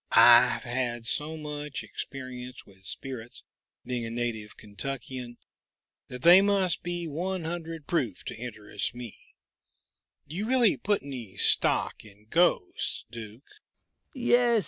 I've had so much experience with spirits being a native Kentuckian that they must be 100 proof to interest me!... Do you really put any stock in ghosts, Duke?"